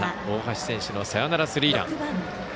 大橋選手のサヨナラスリーラン。